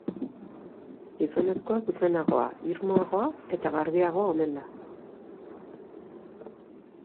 Gizonezkoa zuzenagoa, irmoagoa eta garbiagoa omen da.